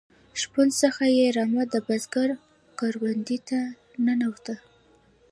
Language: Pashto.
شپون څخه یې رمه د بزگر کروندې ته ننوته.